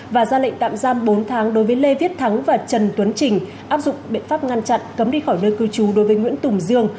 và ra lệnh tạm giam bốn tháng đối với lê viết thắng và trần tuấn trình áp dụng biện pháp ngăn chặn cấm đi khỏi nơi cư trú đối với nguyễn tùng dương